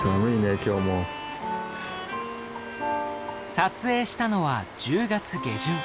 撮影したのは１０月下旬。